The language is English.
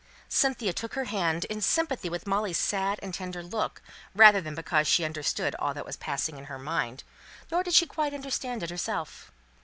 Cynthia took her hand, in sympathy with Molly's sad and tender look, rather than because she understood all that was passing in her mind, nor did she quite understand it herself.